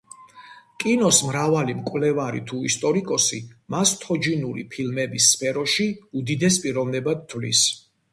კინოს მრავალი მკვლევარი თუ ისტორიკოსი მას თოჯინური ფილმების სფეროში უდიდეს პიროვნებად თვლის.